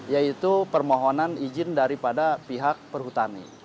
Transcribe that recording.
yaitu permohonan izin daripada pihak perhutani